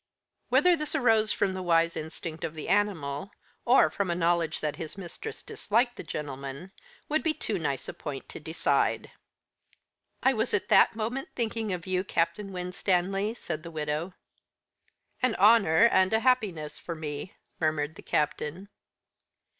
Whether this arose from a wise instinct in the animal, or from a knowledge that his mistress disliked the gentleman, would be too nice a point to decide. "I was that moment thinking of you, Captain Winstanley," said the widow. "An honour and a happiness for me," murmured the Captain.